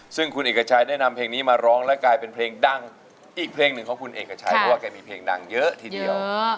ซึ่งคุณเอกชัยได้นำเพลงนี้มาร้องและกลายเป็นเพลงดังอีกเพลงหนึ่งของคุณเอกชัยเพราะว่าแกมีเพลงดังเยอะทีเดียว